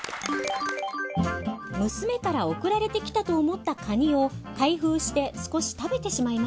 娘から送られてきたと思ったカニを開封して少し食べてしまいました。